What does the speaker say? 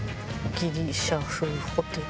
ギリシャ風ホテル？